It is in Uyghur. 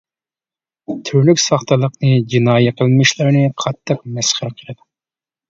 تۈرلۈك ساختىلىقنى، جىنايى قىلمىشلارنى قاتتىق مەسخىرە قىلىدۇ.